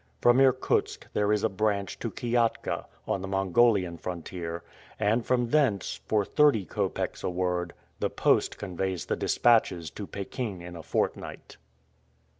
From Irkutsk there is a branch to Kiatka, on the Mongolian frontier; and from thence, for thirty copecks a word, the post conveys the dispatches to Pekin in a fortnight.